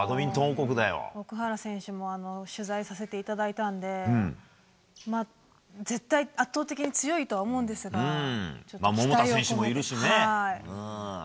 奥原選手も取材させていただいたので絶対、圧倒的に強いとは思うんですが桃田選手もいるしね。